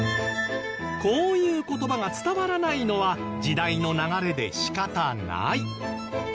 こういう言葉が伝わらないのは時代の流れで仕方ない